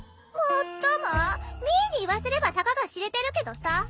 もっともミーに言わせればたかが知れてるけどさ。